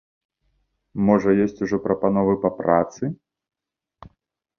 Можа, ёсць ужо прапановы па працы?